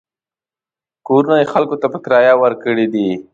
کورونه یې خلکو ته په کرایه ورکړي دي.